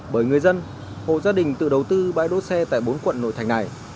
bởi người dân hồ gia đình tự đầu tư bãi đỗ xe tại bốn quận nội thành này